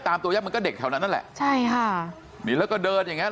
ตามตัวแยกมันก็เด็กแถวนั้นแหละใช่ค่ะนี่แล้วก็เดินอย่างเงี้ย